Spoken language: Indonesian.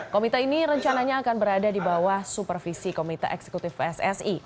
komite ini rencananya akan berada di bawah supervisi komite eksekutif pssi